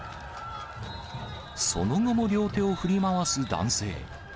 その後も両手を振り回す男性。